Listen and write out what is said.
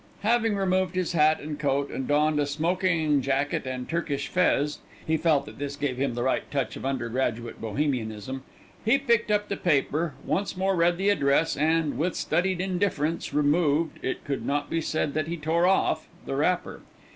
Having removed his hat and coat and donned a smoking jacket and Turkish fez he felt that this gave him the right touch of undergraduate bohemianism he picked up the paper, once more read the address, and, with studied indifference, removed, it could not be said that he tore off, the wrapper.